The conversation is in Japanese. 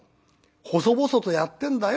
細々とやってんだよ